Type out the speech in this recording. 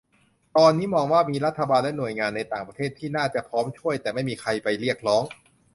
คนนี้มองว่ามีรัฐบาลและหน่วยงานในต่างประเทศที่น่าจะพร้อมช่วย แต่ไม่มีใครไปเรียกร้อง